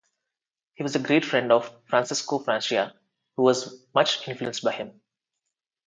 He was a great friend of Francesco Francia, who was much influenced by him.